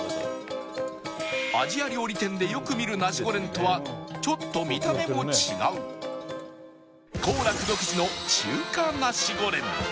アジア料理店でよく見るナシゴレンとはちょっと見た目も違う幸楽独自の中華ナシゴレン